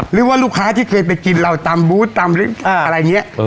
หรือว่าลูกค้าที่เคยไปกินเราตามบู๊ตตามอะไรเงี้ย